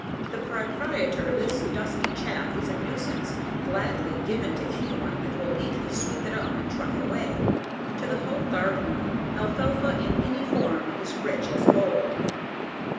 To the proprietor this dusty chaff is a nuisance gladly given to anyone that will neatly sweep it up and truck it away. To the home gardener, alfalfa in any form is rich as gold.